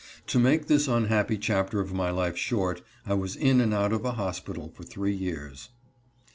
To make this unhappy chapter of my life short, I was in and out of a hospital for three years.